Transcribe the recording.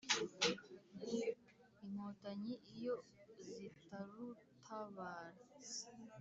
Inkotanyi iyo zitarutabara